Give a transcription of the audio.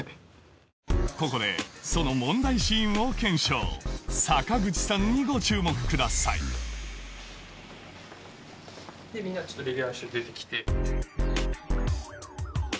ここでその問題シーンを検証坂口さんにご注目くださいでみんなちょっとレギュラー出てきて。